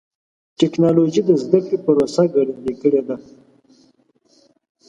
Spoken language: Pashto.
ټکنالوجي د زدهکړې پروسه ګړندۍ کړې ده.